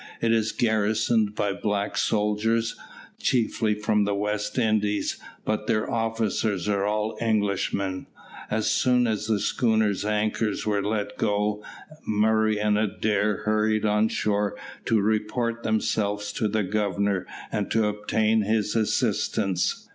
It is garrisoned by black soldiers, chiefly from the West Indies, but their officers are all Englishmen. As soon as the schooner's anchor was let go, Murray and Adair hurried on shore to report themselves to the Governor, and to obtain his assistance.